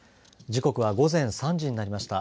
時刻は午前３時になりました。